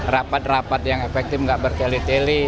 rapat rapat yang efektif nggak berkeli keli